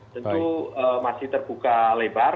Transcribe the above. tentu masih terbuka lebar